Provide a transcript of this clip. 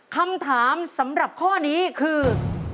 คำถามสำหรับข้อนี้คือ